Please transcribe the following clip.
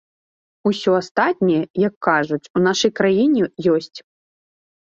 Усё астатняе, як кажуць, у нашай краіне ёсць.